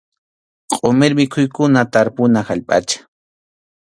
Qʼumir mikhuykuna tarpuna allpacha.